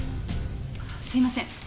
あっすいません。